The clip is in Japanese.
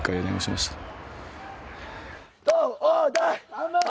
・頑張れ！